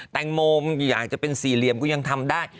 แตงโมอยากจะเป็นสี่เหลี่ยมกูยังทำได้